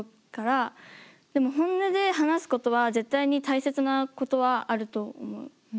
でも本音で話すことは絶対に大切なことはあると思う。